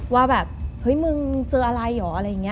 ว่าแบบเฮ้ยมึงเจออะไรเหรออะไรอย่างนี้